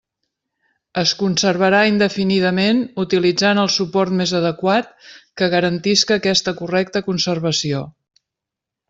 Es conservarà indefinidament utilitzant el suport més adequat que garantisca aquesta correcta conservació.